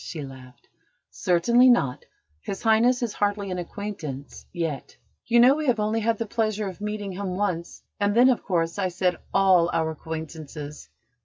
she laughed. "Certainly not. His Highness is hardly an acquaintance yet. You know we have only had the pleasure of meeting him once: and then, of course, I said all our acquaintances.